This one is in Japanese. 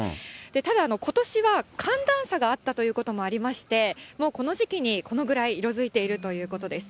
ただ、ことしは、寒暖差があったということもありまして、もうこの時期に、このぐらい色づいているということです。